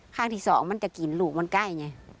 ข้างที่สองมันจะกลิ่นลูกมันใกล้ไง